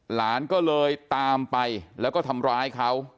หลานก็เลยตามไปแล้วก็ทำร้ายเขา